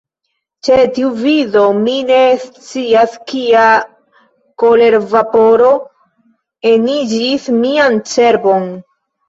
Ĉe tiu vido, mi ne scias kia kolervaporo eniĝis mian cerbon.